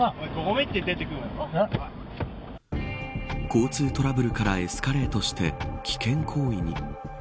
交通トラブルからエスカレートして危険行為に。